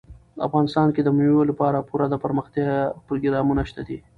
افغانستان کې د مېوو لپاره پوره دپرمختیا پروګرامونه شته دي.